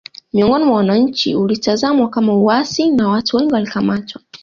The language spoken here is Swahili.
Miongoni mwa wananchi ulitazamwa kama uasi na watu wengi walikamatwa